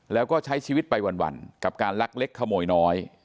แล้วก็ใช้ชีวิตไปวันกับการลักเล็กขโมยน้อย